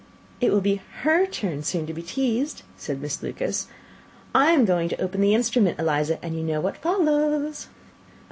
"It will be her turn soon to be teased," said Miss Lucas. "I am going to open the instrument, Eliza, and you know what follows."